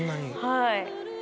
はい。